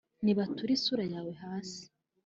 ntibature isura yawe hasi